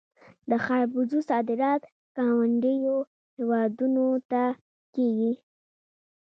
د خربوزو صادرات ګاونډیو هیوادونو ته کیږي.